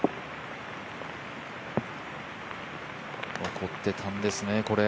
残ってたんですね、これ。